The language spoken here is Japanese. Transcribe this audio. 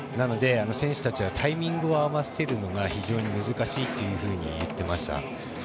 選手たちはタイミングを合わせるのが非常に難しいというふうに言っていました。